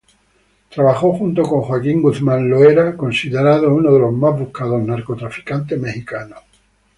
Trabajó junto con Joaquín Guzmán Loera, considerado uno de los más buscados narcotraficantes mexicanos.